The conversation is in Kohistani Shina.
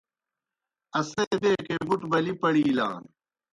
اسے بیکے بُٹہ بلِی پڑِیلان۔